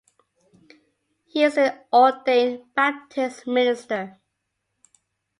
He is an ordained Baptist minister.